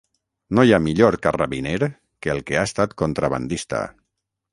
No hi ha millor carrabiner que el que ha estat contrabandista.